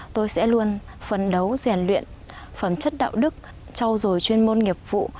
tôi sẽ luôn phấn đấu giàn luyện phẩm chất đạo đức trau dồi chuyên môn nghiệp vụ